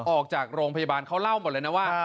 ออกจากโรงพยาบาลเขาเล่าหมดเลยนะว่า